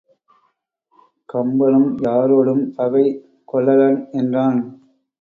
கம்பனும் யாரோடும் பகை கொள்ளலன் என்றான்.